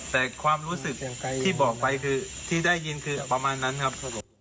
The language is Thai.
แต่ความรู้สึกที่บอกไปคือที่ได้ยินคือประมาณนั้นครับผม